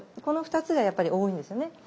この２つがやっぱり多いんですよね。